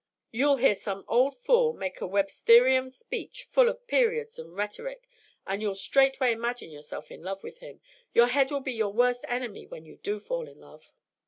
"You'll hear some old fool make a Websterian speech full of periods and rhetoric, and you'll straight way imagine yourself in love with him. Your head will be your worst enemy when you do fall in love."